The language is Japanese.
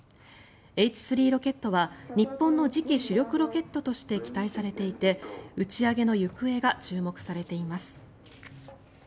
Ｈ３ロケットは日本の次期主力ロケットとして期待されていて打ち上げの行方が注目されています。